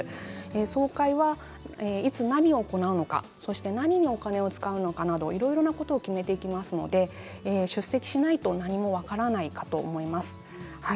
総会はいつ何を行うのか何にお金を使うのか、いろいろなことを決めていきますので出席しないと何も分からないと思います。